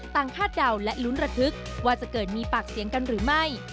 คาดเดาและลุ้นระทึกว่าจะเกิดมีปากเสียงกันหรือไม่